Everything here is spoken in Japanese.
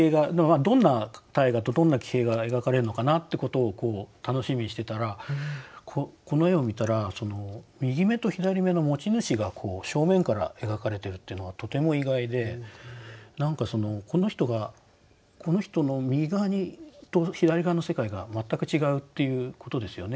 どんな大河とどんな騎兵が描かれるのかなってことを楽しみにしてたらこの絵を見たら右眼と左眼の持ち主が正面から描かれてるっていうのはとても意外で何かこの人がこの人の右側と左側の世界が全く違うっていうことですよね。